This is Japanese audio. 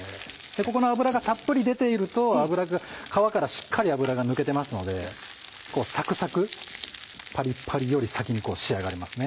ここの脂がたっぷり出ていると皮からしっかり脂が抜けてますのでサクサクパリパリより先に仕上がりますね。